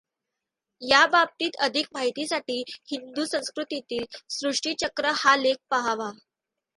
या बाबतीत अधिक माहितीसाठी हिंदु संस्कृतीतील सृष्टिचक्र हा लेख पहावा.